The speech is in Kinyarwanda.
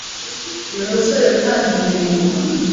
ni umusore wihangira imirimo.